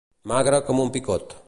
Magre com un picot.